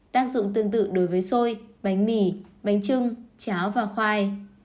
tác dụng tương tự đối với xôi bánh mì bánh trưng cháo và khoai